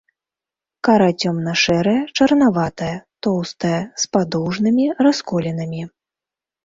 Кара цёмна-шэрая, чарнаватая, тоўстая, з падоўжнымі расколінамі.